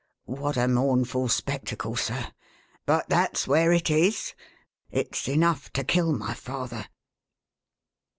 What a mournful spectacle, sir ! But that's where it is. It's enough to kill my father!"